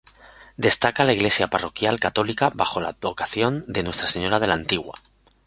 Destaca la Iglesia parroquial católica bajo la advocación de Nuestra Señora de la Antigua.